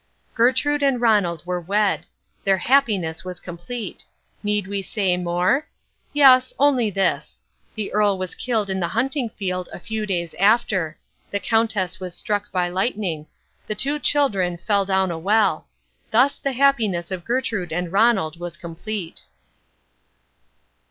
Gertrude and Ronald were wed. Their happiness was complete. Need we say more? Yes, only this. The Earl was killed in the hunting field a few days after. The Countess was struck by lightning. The two children fell down a well. Thus the happiness of Gertrude and Ronald was complete.